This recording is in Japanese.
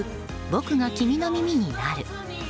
「僕が君の耳になる」。